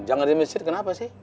jangan di mesir kenapa sih